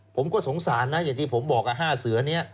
ผมก็สงสารนะอย่างที่ผมบอก๕เสือนี้